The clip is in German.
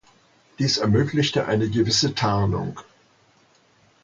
Dies ermöglichte eine gewisse Tarnung.